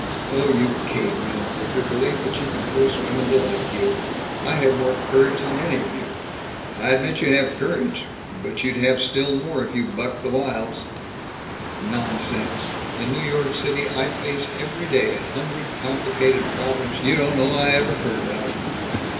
Oh, you cavemen! With your belief that you can force women to like you! I have more courage than any of you!" "I admit you have courage, but you'd have still more, if you bucked the wilds." "Nonsense! In New York I face every day a hundred complicated problems you don't know I ever heard of!"